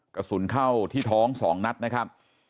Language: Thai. กระสุนเข้าที่ท้อง๒นัดนะครับ